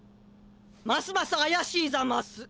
ますますあやしいざます。